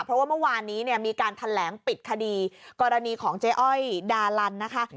เพราะว่าเมื่อวานนี้เนี่ยมีการแถลงปิดคดีกรณีของเจ๊อ้อยดาลันนะคะ